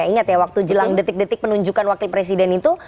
ingat ya waktu jelang detik detik penunjukan wakil presiden itu